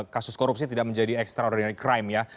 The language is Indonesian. kasus korupsi tidak menjadi extraordinary crime ya